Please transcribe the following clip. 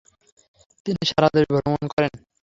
তিনি সারা দেশ ভ্রমণ করেন।